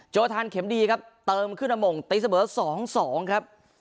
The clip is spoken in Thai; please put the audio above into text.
โอทานเข็มดีครับเติมขึ้นมาหม่งตีเสมอ๒๒ครับ